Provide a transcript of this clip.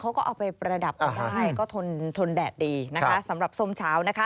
เขาก็เอาไปประดับเอาได้ก็ทนทนแดดดีนะคะสำหรับส้มเช้านะคะ